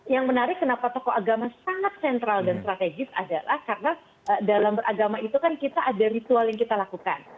yang menarik kenapa tokoh agama sangat sentral dan strategis adalah karena dalam beragama itu kan kita ada ritual yang kita lakukan